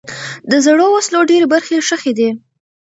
د زړو وسلو ډېری برخې ښخي دي.